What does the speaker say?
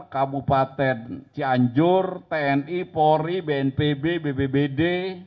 kabupaten cianjur tni polri bnpb bbbd